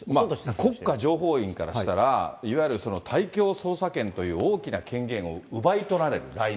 国家情報院からしたら、いわゆる対共捜査権という大きな権限を奪い取られる、来年。